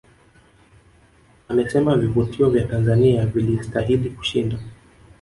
Amesema vivutio vya Tanzania vilistahili kushinda